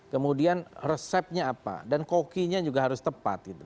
kemudian resepnya apa dan kokinya juga harus tepat gitu